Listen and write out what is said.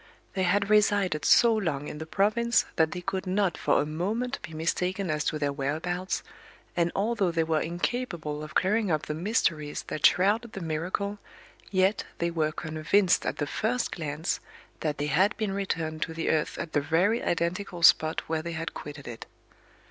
They had resided so long in the province that they could not for a moment be mistaken as to their whereabouts, and although they were incapable of clearing up the mysteries that shrouded the miracle, yet they were convinced at the first glance that they had been returned to the earth at the very identical spot where they had quitted it.